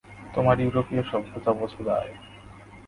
তোমার ইউরোপীয় সভ্যতা বোঝা দায়।